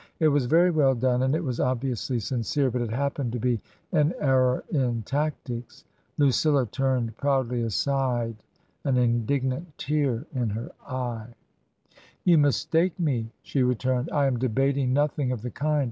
It was very well done, and it was obviously sincere ; but it happened to be an error in tactics. Lucilla turned proudly aside, an indignant tear in her eye. i66 TRANSITION. " You mistake me," she returned. " I am debating nothing of the kind.